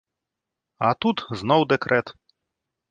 А тут зноў дэкрэт.